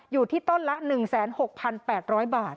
อยู่ที่ต้นละ๑๖๘๐๐บาท